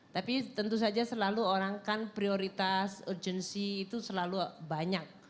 tapi tentu saja selalu orang kan prioritas urgency itu selalu banyak